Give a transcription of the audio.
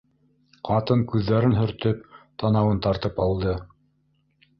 Ҡатын күҙҙәрен һөртөп, танауын тартып алды: